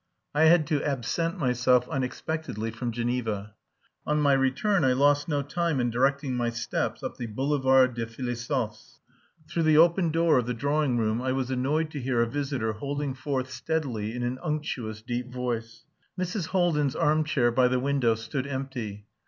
I had to absent myself unexpectedly from Geneva. On my return I lost no time in directing my steps up the Boulevard des Philosophes. Through the open door of the drawing room I was annoyed to hear a visitor holding forth steadily in an unctuous deep voice. Mrs. Haldin's armchair by the window stood empty.